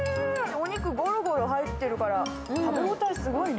お肉ごろごろ入ってるから食べ応えすごいね。